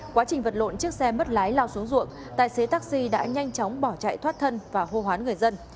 quá trình vật lộn chiếc xe mất lái lao xuống ruộng tài xế taxi đã nhanh chóng bỏ chạy thoát thân và hô hoán người dân